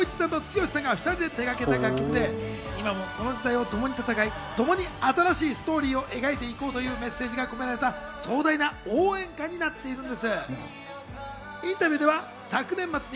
こちらは作詞・作曲を初めて光一さんと剛さんが２人で手がけた楽曲で、今この時代をともに闘い、共に新しいＳｔｏｒｙを描いて行こうというメッセージが込められた壮大な応援歌になっているんです。